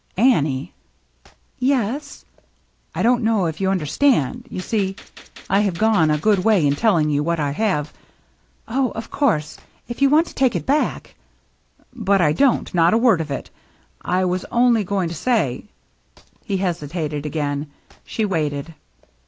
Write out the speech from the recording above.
"Annie." "Yes." " I don't know if you understand — you see, I have gone a good way in telling you what I have —" "Oh, of course, if you want to take it back —" "But I don't. Not a word of it. I was only going to say —" he hesitated again. She waited.